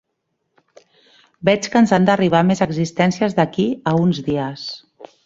Veig que ens han d'arribar més existències d'aquí a uns dies.